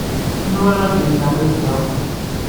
Anwa ara d-yasen ɛni azekka?